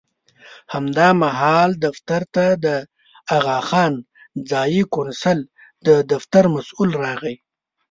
همدا مهال دفتر ته د اغاخان ځایي کونسل د دفتر مسوول راغی.